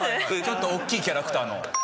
ちょっと大きいキャラクターの。